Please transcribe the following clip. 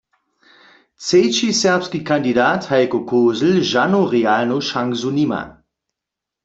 Třeći serbski kandidat Hajko Kozel žanu realnu šansu nima.